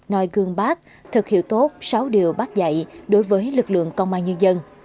nòi gương bác thực hiệu tốt sáu điều bác dạy đối với lực lượng công an nhân dân